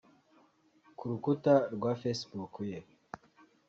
Ku rukuta rwa Facebook ye